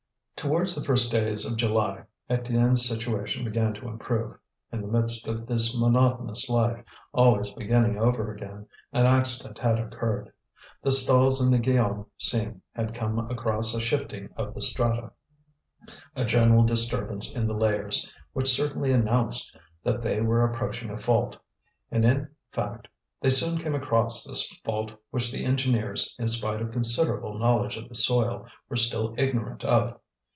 Towards the first days of July, Étienne's situation began to improve. In the midst of this monotonous life, always beginning over again, an accident had occurred. The stalls in the Guillaume seam had come across a shifting of the strata, a general disturbance in the layers, which certainly announced that they were approaching a fault; and, in fact, they soon came across this fault which the engineers, in spite of considerable knowledge of the soil, were still ignorant of.